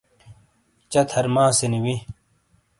چہ تھرماسِینی وِی۔